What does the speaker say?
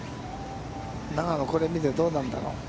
永野、これを見てどうなんだろう？